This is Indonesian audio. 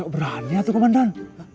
gak berani hati komandan